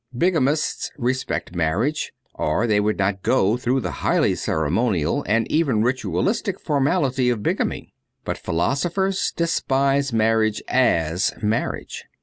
Bigamists respect marriage, or they would not go through the highly ceremonial and even ritualistic formality of bigamy. But philosophers despise marriage as marriage.